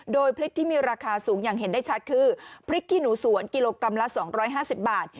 โดยพริกที่มีราคาสูงอย่างเห็นได้ชัดคือพริกขี้หนูสวนกิโลกรัมละ๒๕๐บาท